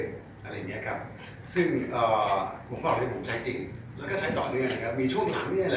อะไรอย่างนี้ครับซึ่งผมก็พูดว่าผมใช้จริงแล้วก็ใช้ต่อเนื่องมีช่วงหลังนี้แหละ